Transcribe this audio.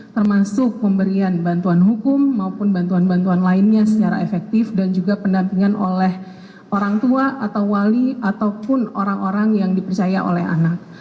termasuk pemberian bantuan hukum maupun bantuan bantuan lainnya secara efektif dan juga pendampingan oleh orang tua atau wali ataupun orang orang yang dipercaya oleh anak